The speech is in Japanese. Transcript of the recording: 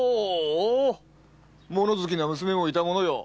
物好きな娘もいたものよ！